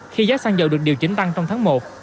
khi giá xăng dầu được điều chỉnh tăng trong tháng một